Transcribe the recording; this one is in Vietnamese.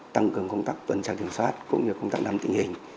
tăng cường công tác tuần trạng điều soát cũng như công tác nắm tình hình